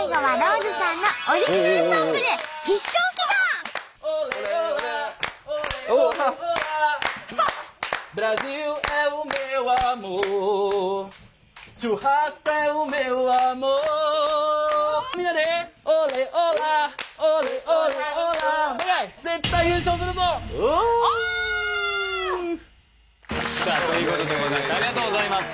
オ！さあということでございます。